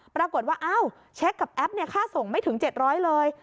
ปรากฏว่าเช็กกับแอปเนี่ยค่าส่งไม่ถึง๗๐๐เลย